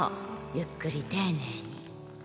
ゆっくり丁寧に。